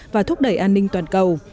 và thúc đẩy an ninh toàn cầu